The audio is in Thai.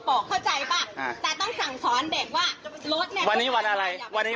รู้ได้ไงคุณจอดดูไหมครับพี่